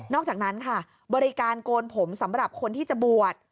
อกจากนั้นค่ะบริการโกนผมสำหรับคนที่จะบวช